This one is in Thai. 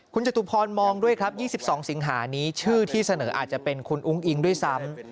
คุณจตุพรมองด้วยครับ๒๒สิงหานี้ชื่อที่เสนออาจจะเป็นคุณอุ้งอิงด้วยซ้ำ